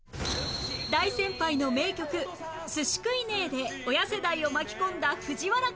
大先輩の名曲『スシ食いねェ！』で親世代を巻き込んだ藤原か？